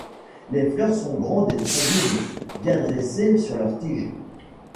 Les fleurs sont grandes et très doubles, bien dressées sur leur tige.